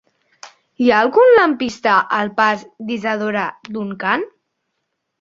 Hi ha algun lampista al pas d'Isadora Duncan?